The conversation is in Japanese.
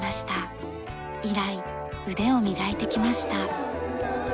以来腕を磨いてきました。